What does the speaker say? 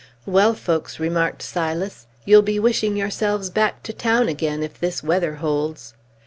"Well, folks," remarked Silas, "you'll be wishing yourselves back to town again, if this weather holds."